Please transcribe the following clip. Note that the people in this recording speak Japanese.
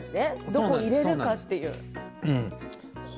どこに入れるかっていう。